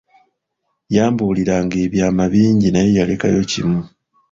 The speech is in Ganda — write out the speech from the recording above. Yambulira nga ebyama bingi naye yalekayo kimu.